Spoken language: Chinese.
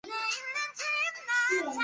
谭雅婷是台湾女子射箭运动员。